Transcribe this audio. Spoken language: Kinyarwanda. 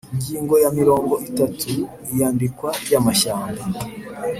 Ingingo ya mirongo itatu Iyandikwa ry amashyamba